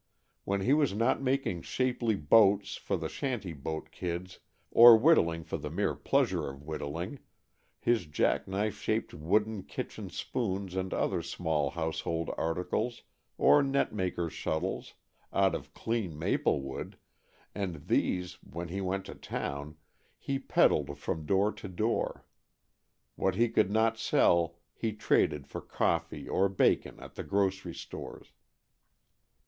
When he was not making shapely boats for the shanty boat kids, or whittling for the mere pleasure of whittling, his jack knife shaped wooden kitchen spoons and other small household articles, or net makers' shuttles, out of clean maplewood, and these, when he went to town, he peddled from door to door. What he could not sell he traded for coffee or bacon at the grocery stores.